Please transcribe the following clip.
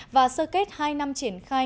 và sơ kết hai năm triển khai